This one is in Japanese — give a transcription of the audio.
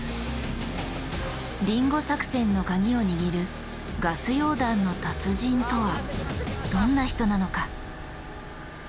リンゴ作戦のカギを握るガス溶断の達人とはどんな人なのか？